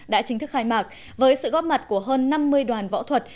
đã chính thức khai mạc với sự góp mặt của hơn năm mươi đoàn võ thuật